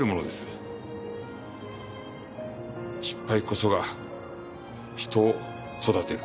失敗こそが人を育てる。